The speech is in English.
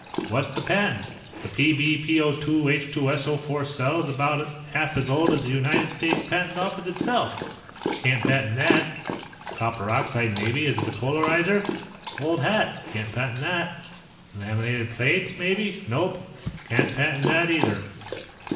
"What's to patent? The Pb PbO_2 H_2SO_4 cell is about half as old as the United States Patent Office itself. Can't patent that. Copper oxide, maybe, as a depolarizer? Old hat; can't patent that. Laminated plates, maybe? Nope. Can't patent that, either."